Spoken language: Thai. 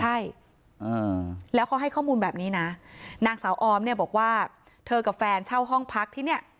ใช่อ่าแล้วเขาให้ข้อมูลแบบนี้นะนางสาวออมเนี่ยบอกว่าเธอกับแฟนเช่าห้องพักที่เนี่ย